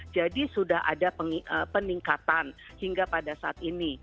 jadi sudah ada peningkatan hingga pada saat ini